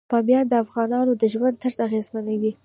بامیان د افغانانو د ژوند طرز اغېزمنوي.